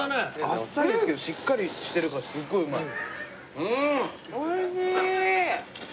あっさりですけどしっかりしてるからすっごいうまい。